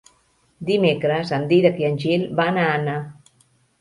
Dimecres en Dídac i en Gil van a Anna.